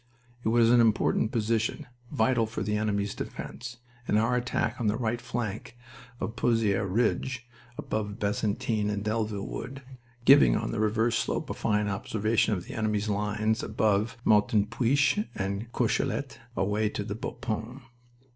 It was an important position, vital for the enemy's defense, and our attack on the right flank of the Pozieres Ridge, above Bazentin and Delville Wood, giving on the reverse slope a fine observation of the enemy's lines above Martinpuich and Courcellette away to Bapaume.